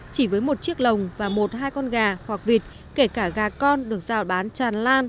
chỉ với một chiếc lồng và một hai con gà hoặc vịt kể cả gà con được giao bán tràn lan